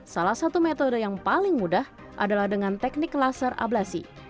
salah satu metode yang paling mudah adalah dengan teknik laser ablasi